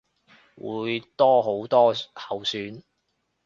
會多好多候選